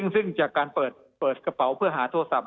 ซึ่งจากการเปิดกระเป๋าเพื่อหาโทรศัพท